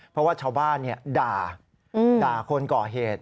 เพราะว่าชาวบ้านด่าคนก่อเหตุ